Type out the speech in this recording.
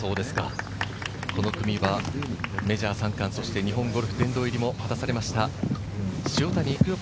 この組はメジャー３冠、そして日本ゴルフ殿堂入りも果たされました、塩谷育代